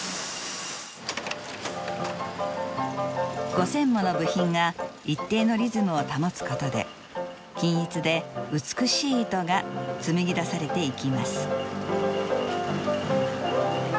５，０００もの部品が一定のリズムを保つことで均一で美しい糸が紡ぎ出されていきます。